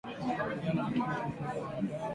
Kukabiliana na kimeta miongoni mwa wanadamu